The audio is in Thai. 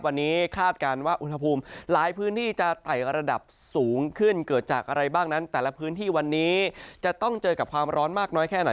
วันนี้คาดการณ์ว่าอุณหภูมิหลายพื้นที่จะไต่ระดับสูงขึ้นเกิดจากอะไรบ้างนั้นแต่ละพื้นที่วันนี้จะต้องเจอกับความร้อนมากน้อยแค่ไหน